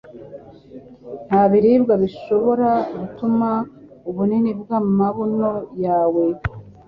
nta biribwa bishobora gutuma ubunini bw'amabuno yawe